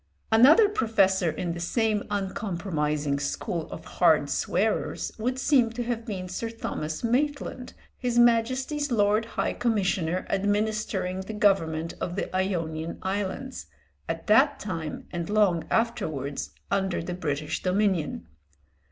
Another professor in the same uncompromising school of hard swearers would seem to have been Sir Thomas Maitland, His Majesty's Lord High Commissioner administering the government of the Ionian Islands, at that time and long afterwards under the British dominion.